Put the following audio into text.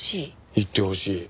言ってほしい。